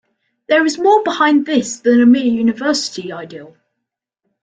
There is more behind this than a mere university ideal.